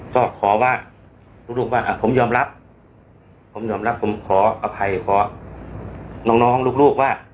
ก็ขอว่าลูกว่าผมยอมรับผมยอมรับผมขออภัยขอน้องน้องลูกว่า